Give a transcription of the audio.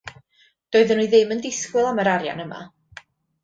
Doeddwn i ddim yn disgwyl am yr arian yma.